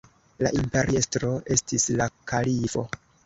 La imperiestro estis la kalifo.